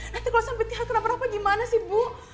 nanti kalau sampai tiara kenapa napa gimana sih ibu